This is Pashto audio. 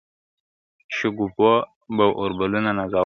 شګوفو به اوربلونه نازولای ..